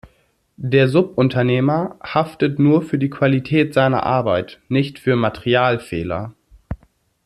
Der Subunternehmer haftet nur für die Qualität seiner Arbeit, nicht für Materialfehler.